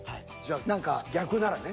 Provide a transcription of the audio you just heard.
逆ならね。